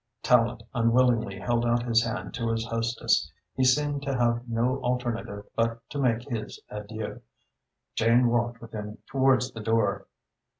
Tallente unwillingly held out his hand to his hostess. He seemed to have no alternative but to make his adieux. Jane walked with him towards the door.